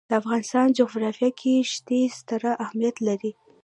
د افغانستان جغرافیه کې ښتې ستر اهمیت لري.